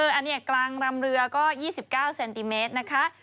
อันนี้กลางรำเรือก็๒๙เซนติเมตรนะคะ